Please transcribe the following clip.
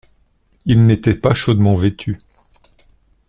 Il n’était pas chaudement vêtu.